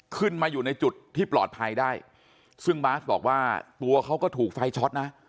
ขึ้นมาอยู่ในจุดที่ปลอดภัยได้ซึ่งบาสบอกว่าตัวเขาก็ถูกไฟช็อตนะ